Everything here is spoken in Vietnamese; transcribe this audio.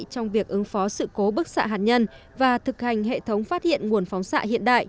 trong việc ứng phó sự cố bức xạ hạt nhân và thực hành hệ thống phát hiện nguồn phóng xạ hiện đại